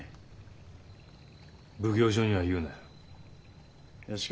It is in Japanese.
奉行所には言うなよ。